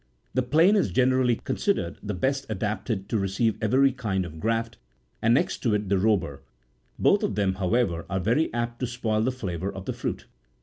The plane''17 is generally considered the best adapted to receive every kind of graft, and next to it the robur ; both of them, however, are very apt to spoil the flavour of the fruit.